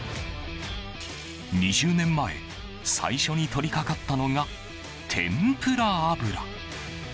２０年前、最初に取り掛かったのが天ぷら油。